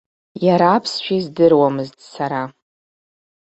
Иара аԥсшәа издыруамызт, сара.